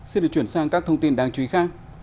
xin được chuyển sang các thông tin đáng chú ý khác